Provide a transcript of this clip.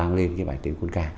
đã mang lên cái bài tiến quân ca